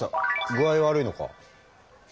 具合悪いのか？